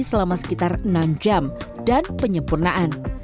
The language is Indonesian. selama sekitar enam jam dan penyempurnaan